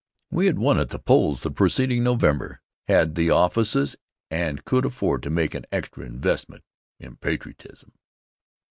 We had won at the polls the precedin' November, had the offices and could afford to make an extra investment in patriotism.